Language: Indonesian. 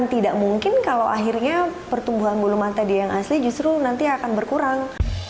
dan tidak mungkin kalau akhirnya pertumbuhan bulu mata yang asli justru nanti akan berkurang